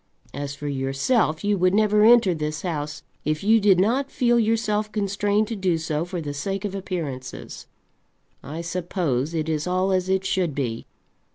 As for yourself you would never enter this house if you did not feel yourself constrained to do so for the sake of appearances. I suppose it is all as it should be.